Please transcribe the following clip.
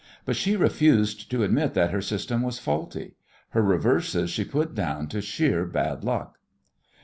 But she refused to admit that her system was faulty. Her reverses she put down to sheer bad luck.